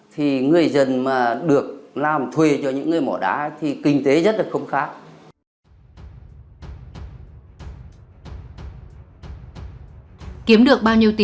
thì người dân mà được làm thuê cho những người mỏ đá thì kinh tế rất là không khác